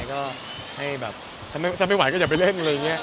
ก็ให้บับถามไม่ไหวก็ไม่เล่น